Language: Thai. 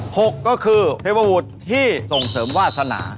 หกก็คือเทพบุตรที่ส่งเสริมวาสนา